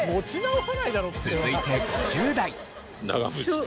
続いて５０代。